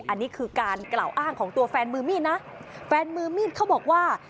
อันนี้คือการกล่าวอ้างของตัวแฟนมือมีดนะแฟนมือมีดเขาบอกว่า